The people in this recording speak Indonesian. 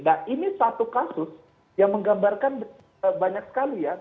nah ini satu kasus yang menggambarkan banyak sekali ya